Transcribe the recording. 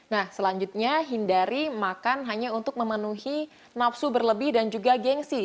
nah selanjutnya hindari makan hanya untuk memenuhi nafsu berlebih dan juga gengsi